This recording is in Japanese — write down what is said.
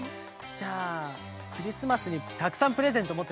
じゃあクリスマスにたくさんプレゼントもってこようかな？